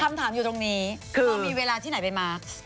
คำถามอยู่ตรงนี้คือมีเวลาที่ไหนไปมาร์ค